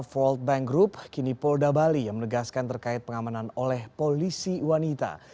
world bank group kini polda bali yang menegaskan terkait pengamanan oleh polisi wanita